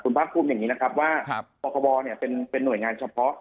คุณพักภูมิอย่างงี้นะครับว่าครับปคบเนี่ยเป็นเป็นหน่วยงานเฉพาะ